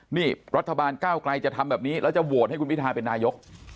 นี่รัฐบาลก้าวไกลจะทำแบบนี้แล้วจะโหวตให้คุณพิทาเป็นนายก